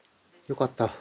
よかった。